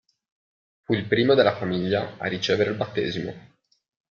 Fu il primo della famiglia a ricevere il battesimo.